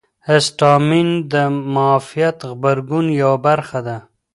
هسټامین د معافیت غبرګون یوه برخه ده.